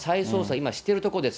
今、しているところです。